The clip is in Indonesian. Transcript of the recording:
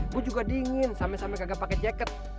gue juga dingin sampe sampe kagak pake jaket